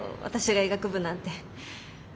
私が医学部なんて。